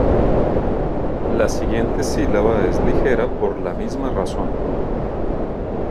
La siguiente sílaba es ligera por la misma razón.